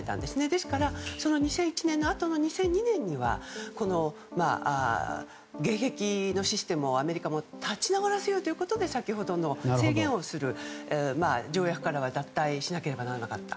ですから、２００１年のあとの２００２年には迎撃のシステムをアメリカも立ち直らせようということで先ほどの制限をする条約からは脱退しなければならなかった。